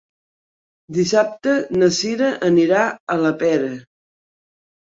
Dissabte na Sira anirà a la Pera.